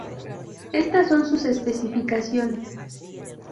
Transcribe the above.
Estas son sus especificaciones.